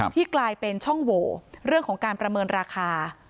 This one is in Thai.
กลายเป็นช่องโหวเรื่องของการประเมินราคา